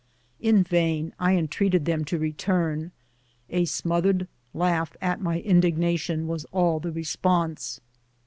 In vain I entreated them to re turn ; a smothered laugh at my indignation was all the response.